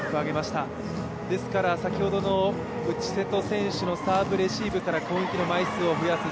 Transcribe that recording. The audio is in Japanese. ですから、先ほどの内瀬戸選手のサーブレシーブから攻撃の枚数を増やす。